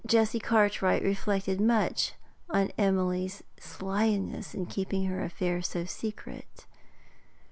Jessie Cartwright reflected much on Emily's slyness in keeping her affairs so secret.